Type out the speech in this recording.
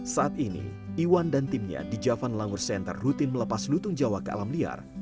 saat ini iwan dan timnya di javan langur center rutin melepas lutung jawa ke alam liar